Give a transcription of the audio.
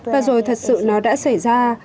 và rồi thật sự nó đã xảy ra